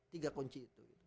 tiga kunci itu